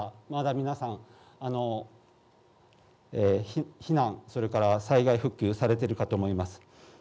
まだ皆さん避難、それから災害復旧されているかと思います。